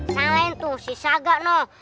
selain tuh si saga noh